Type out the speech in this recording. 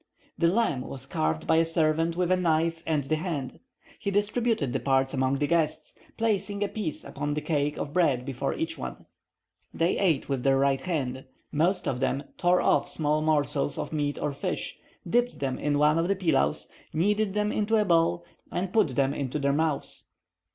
The lamb was carved by a servant with a knife and the hand; he distributed the parts among the guests, placing a piece upon the cake of bread before each one. They ate with their right hand. Most of them tore off small morsels of meat or fish, dipped them in one of the pilaus, kneaded them into a ball, and put them into their mouths.